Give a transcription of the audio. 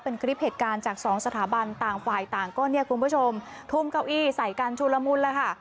เป็นคลิปเหตุการณ์จากสองสถาบันต่างฝ่ายต่างก็เนี่ยคุณผู้ชมทุ่มเก้าอี้ใส่กันชุลมุนแล้วค่ะ